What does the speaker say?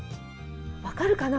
分かるかな